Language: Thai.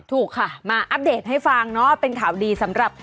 ถูกค่ะมาอัปเดตให้ฟังเนาะเป็นข่าวดีสำหรับ